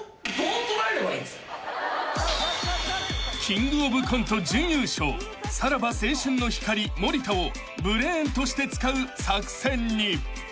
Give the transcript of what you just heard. ［キングオブコント準優勝さらば青春の光森田をブレーンとして使う作戦に］